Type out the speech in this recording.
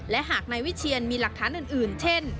และหากนายวิเชียนมีหลักฐานอื่นเช่น